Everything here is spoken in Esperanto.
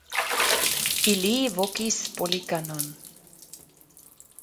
Ili vokis policanon.